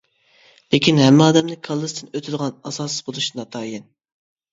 لېكىن ھەممە ئادەمنىڭ كاللىسىدىن ئۆتىدىغان ئاساس بولۇشى ناتايىن.